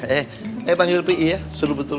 eh eh panggil pi ya suruh betul